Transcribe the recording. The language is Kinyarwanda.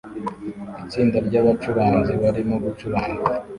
Itsinda ryabacuranzi barimo gucuranga